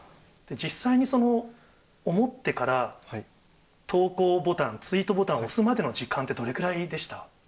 実際に思ってから、投稿ボタン、ツイートボタンを押すまでの時間ってどれぐらいでした？